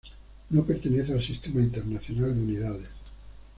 No pertenece al Sistema Internacional de Unidades.